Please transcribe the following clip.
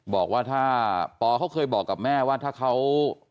บอกว่าถ้าปอเขาเคยบอกกับแม่ว่าถ้าเขา